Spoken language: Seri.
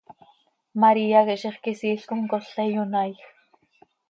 María quih zixquisiil com cola iyonaaij.